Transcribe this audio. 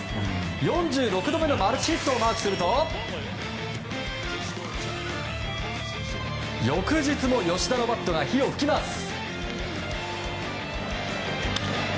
４６度目のマルチヒットをマークすると翌日も吉田のバットが火を噴きます。